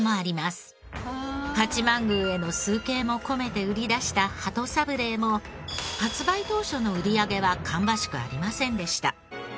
八幡宮への崇敬も込めて売り出した鳩サブレーも発売当初の売り上げは芳しくありませんでした。